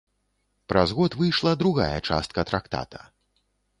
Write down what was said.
Праз год выйшла другая частка трактата.